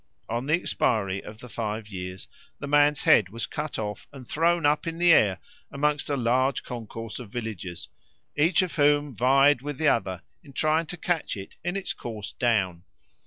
On the expiry of the five years the man's head was cut off and thrown up in the air amongst a large concourse of villagers, each of whom vied with the other in trying to catch it in its course down.